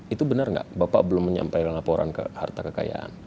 itu benar nggak bapak belum menyampaikan laporan ke harta kekayaan